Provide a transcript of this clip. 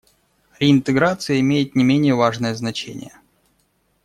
Реинтеграция имеет не менее важное значение.